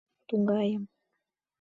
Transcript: — Тугайым...